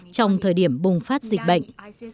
trong thời điểm bùng phát dịch bệnh